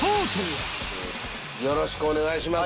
よろしくお願いします。